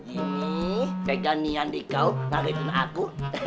ini pegang nian dikau tarik dengan aku